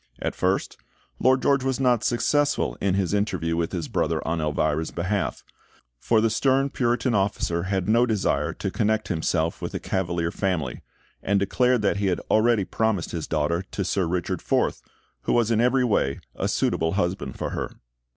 At first, Lord George was not successful in his interview with his brother on Elvira's behalf; for the stern Puritan officer had no desire to connect himself with a Cavalier family, and declared that he had already promised his daughter to Sir Richard Forth, who was in every way a suitable husband for her.